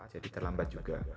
jadi terlambat juga